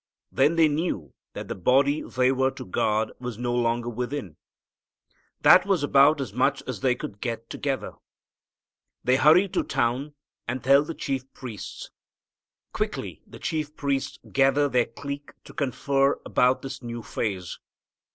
Then they knew that the body they were to guard was no longer within. That was about as much as they could get together. They hurry to town and tell the chief priests. Quickly the chief priests gather their clique to confer about this new phase.